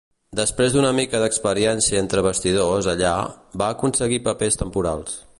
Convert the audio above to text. Després d'una mica d'experiència entre bastidors allà, va aconseguir papers temporals.